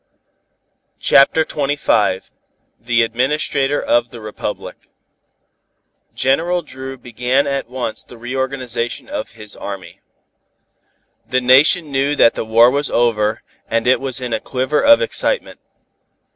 CHAPTER XXV THE ADMINISTRATOR OF THE REPUBLIC General Dru began at once the reorganization of his army. The Nation knew that the war was over, and it was in a quiver of excitement.